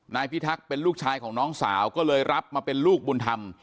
พิทักษ์เป็นลูกชายของน้องสาวก็เลยรับมาเป็นลูกบุญธรรม